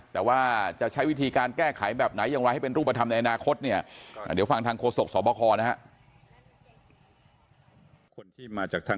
แต่ว่าจะใช้วิธีการแก้ไขแบบไหนอย่างไรให้เป็นรูปธรรมในอนาคตเนี่ยเดี๋ยวฟังทางโฆษกสบคนะฮะ